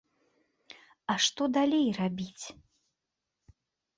А што далей рабіць?